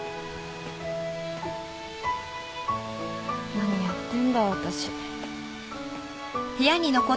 何やってんだ私。